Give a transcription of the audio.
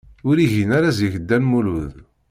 Ur igin ara zik Dda Lmulud.